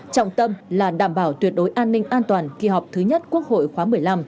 trọng tâm là đảm bảo tuyệt đối an ninh an toàn kỳ họp thứ nhất quốc hội khóa một mươi năm